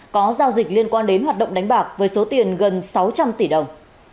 có giao dịch liên quan đến hoạt động đánh bạc với số tiền gần sáu trăm linh tỷ đồng